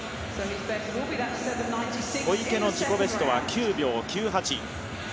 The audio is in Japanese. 小池の自己ベストは９秒９８。